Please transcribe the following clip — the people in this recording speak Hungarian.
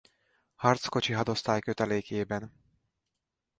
Harckocsi Hadosztály kötelékében.